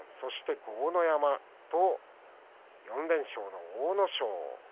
豪ノ山と、４連勝の阿武咲。